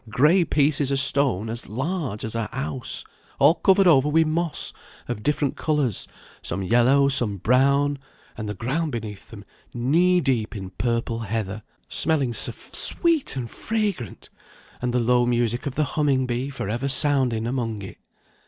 Gray pieces o' stone as large as a house, all covered over wi' moss of different colours, some yellow, some brown; and the ground beneath them knee deep in purple heather, smelling sae sweet and fragrant, and the low music of the humming bee for ever sounding among it.